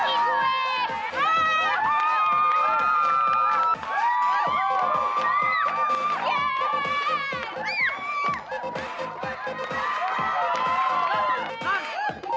dia itu bukan mau drama tapi dia itu cuma pengen lihat aki gue